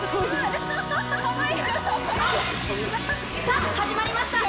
さぁ始まりました